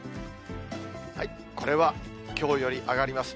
これはきょうより上がります。